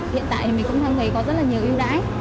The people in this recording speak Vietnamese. hiện tại mình cũng thấy có rất nhiều ưu đãi